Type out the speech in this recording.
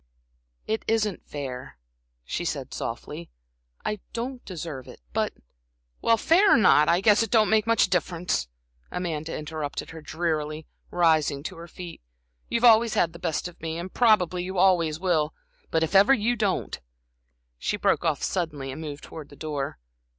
"It isn't fair," she said, softly. "I don't deserve it, but" "Well, fair or not, I guess it don't make much difference," Amanda interrupted her, drearily, rising to her feet. "You've always had the best of me, and probably, you always will. But, if ever you don't" She broke off suddenly and moved towards the door.